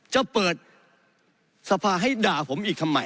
จะเปิดสภาให้ด่าผมอีกทำไม